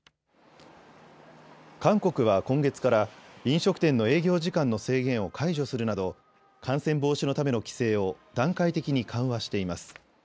韓国は今月から飲食店の営業時間の制限を解除するなど、感染防止のための規制を段階的に緩和しています。